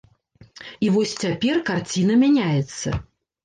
І вось цяпер карціна мяняецца.